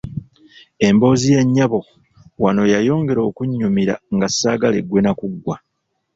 Emboozi ya nnyabo wano yayongera okunnyumira nga ssaagala eggwe na kuggwa.